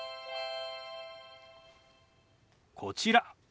こちら。